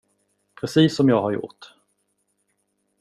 Precis som jag har gjort.